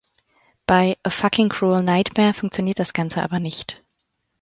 Bei ‚A Fucking Cruel Nightmare‘ funktioniert das Ganze aber nicht.